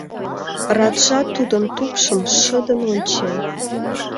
Раджа тудын тупшым шыдын ончен.